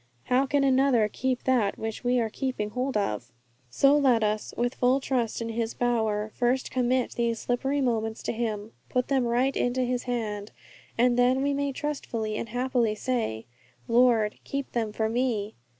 How can another keep that which we are keeping hold of? So let us, with full trust in His power, first commit these slippery moments to Him, put them right into His hand, and then we may trustfully and happily say, 'Lord, keep them for me!